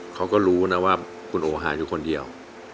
เขาก็รู้นะว่าคุณโอหายอยู่คนเดียว